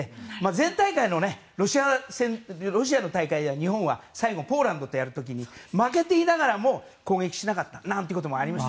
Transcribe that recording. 前回大会のロシアの大会では日本は最後にポーランドとやる時に負けていながらも攻撃しなかったなんてこともありました。